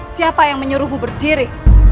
siapa yang menyuruhmu berdiri